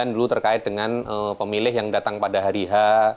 dua ribu sembilan dulu terkait dengan pemilih yang datang pada hari h